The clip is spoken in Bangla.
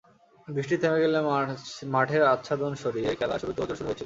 বৃষ্টি থেমে গেলে মাঠের আচ্ছাদন সরিয়ে খেলার শুরুর তোড়জোড় শুরু হয়েছিল।